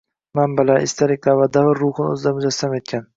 Manbalar, esdaliklar va davr ruhini o‘zida mujassam etgan.